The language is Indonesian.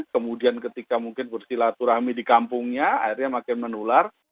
kemudian ketika mungkin bersilaturahmi di kampungnya akhirnya makin menular